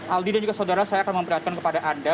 aldi dan juga saudara saya akan memperlihatkan kepada anda